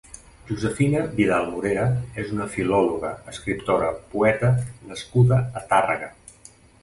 Josefina Vidal Morera és una filòloga, escriptora, poeta nascuda a Tàrrega.